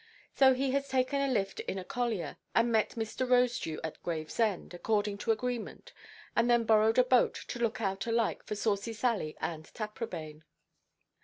So he has taken a lift in a collier, and met Mr. Rosedew at Gravesend, according to agreement, and then borrowed a boat to look out alike for Saucy Sally and Taprobane.